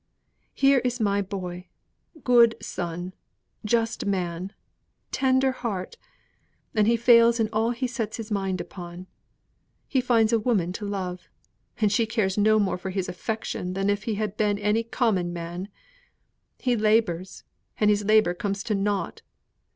Here is my boy good son, just man, tender heart and he fails in all he sets his mind upon: he finds a woman to love, and she cares no more for his affection than if he had been a common man; he labours, and his labour comes to nought.